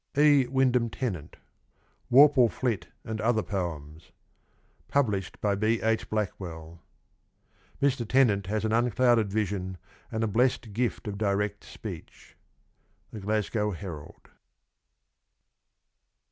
E. Wyndham Tennant. WORPLE FLIT AND OTHER POEMS. Published by B. H. Blackwell. Mr. Tennant has an unclouded vision and a blessed gift of direct speech. — The Glasgow Herald.